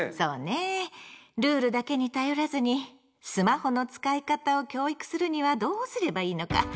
ルールだけに頼らずにスマホの使い方を教育するにはどうすればいいのか。